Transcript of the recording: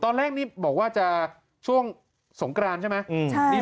ตอนแรกนี่บอกว่าจะช่วงสงกรานใช่ไหม